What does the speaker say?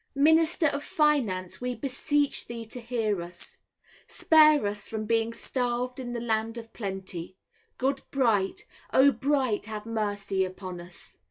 Minister of Finance, we beseech thee to hear us. Spare us from being starved in the land of plenty, Good Bright. O Bright, have mercy upon us.